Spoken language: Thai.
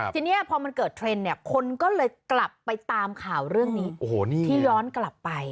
ทีนี้พอมันเกิดเทรนด์เนี่ยคนก็เลยกลับไปตามข่าวเรื่องนี้ที่ย้อนกลับไป